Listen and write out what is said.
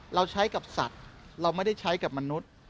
เราใช้กับสัตว์เราไม่ได้ใช้กับมนุษย์